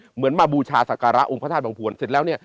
เหมือนมาบูชาศักระองค์พระธาตุบังพวนเสร็จแล้วเนี่ย